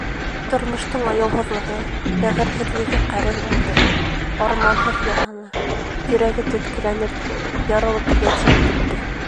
Тормоштоң аяуһыҙлығы, бәғерһеҙлеге ҡәрен алды, арманһыҙ яһаны, йөрәге теткеләнеп, ярылып, йәнселеп бөттө.